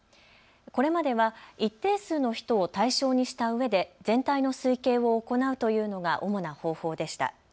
これまでは一定数の人を対象にしたうえで全体の推計を行うというのが主な方法でした。